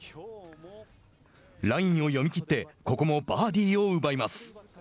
ラインを読み切ってここもバーディーを奪います。